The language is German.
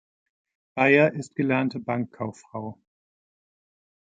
Beyer ist gelernte Bankkauffrau.